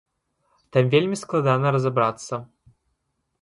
Там вельмі складана разабрацца.